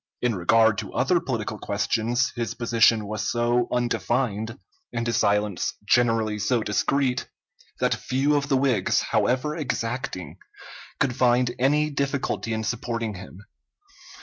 In regard to other political questions, his position was so undefined, and his silence generally so discreet, that few of the Whigs, however exacting, could find any difficulty in supporting him.